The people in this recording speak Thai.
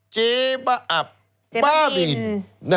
เจ๊บ้าบิน